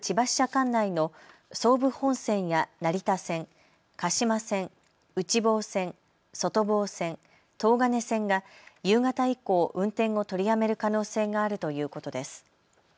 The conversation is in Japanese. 管内の総武本線や成田線、鹿島線、内房線、外房線、東金線が夕方以降、運転を取りやめる可能性があるということです。